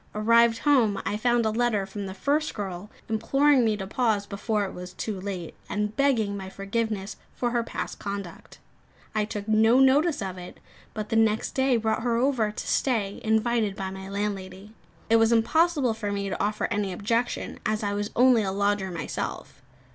Arrived home, I found a letter from the first girl imploring me to pause before it was too late, and begging my forgiveness for her past conduct. I took no notice of it; but the next day brought her over, to stay, invited by my landlady. It was impossible for me to offer any objection, as I was only a lodger myself.